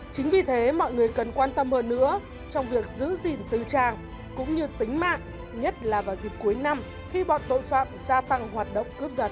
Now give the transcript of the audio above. chính vì thế mọi người cần quan tâm hơn nữa trong việc giữ gìn tư trang cũng như tính mạng nhất là vào dịp cuối năm khi bọn tội phạm gia tăng hoạt động cướp giật